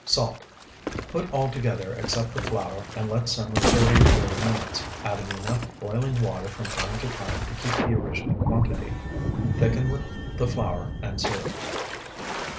Salt. Put all together, except the flour, and let simmer thirty or forty minutes, adding enough boiling water from time to time to keep the original quantity. Thicken with the flour, and serve.